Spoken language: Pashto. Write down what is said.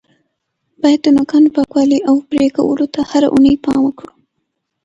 باید د نوکانو پاکوالي او پرې کولو ته هره اونۍ پام وکړو.